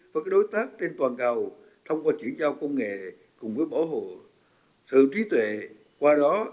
với các đối tác trên toàn cầu thông qua chuyển giao công nghệ cùng với bảo hộ sự trí tuệ qua đó